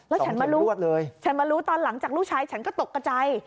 แล้วฉันมารู้ฉันมารู้ตอนหลังจากลูกชายฉันก็ตกกระใจ